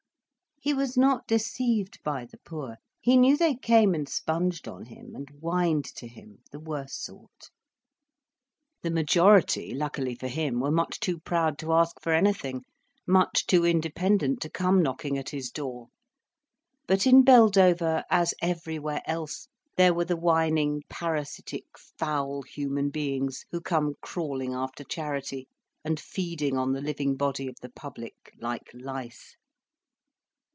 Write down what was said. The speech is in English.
He was not deceived by the poor. He knew they came and sponged on him, and whined to him, the worse sort; the majority, luckily for him, were much too proud to ask for anything, much too independent to come knocking at his door. But in Beldover, as everywhere else, there were the whining, parasitic, foul human beings who come crawling after charity, and feeding on the living body of the public like lice.